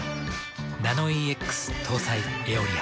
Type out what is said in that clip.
ナノイーＸ搭載「エオリア」。